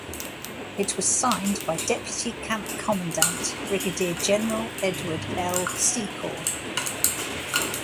It was signed by deputy camp commandant Brigadier General Edward L. Secord.